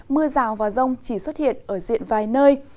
mưa rào và rông chỉ xuất hiện ở diện vài nơi